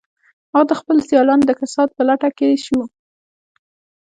هغه د خپلو سیالانو د کسات په لټه کې شو